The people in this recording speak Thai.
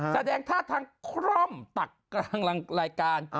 แสดงภาคทางคล่อมตักรังรายการ